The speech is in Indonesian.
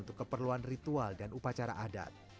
untuk keperluan ritual dan upacara adat